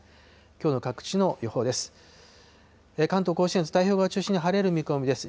きょうの各地の予報です。